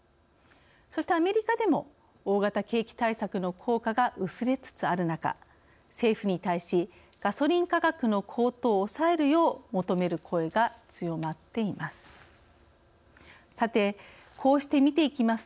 そして、アメリカでも大型景気対策の効果が薄れつつある中政府に対しガソリン価格の高騰を抑えるよう求める声が強まっています。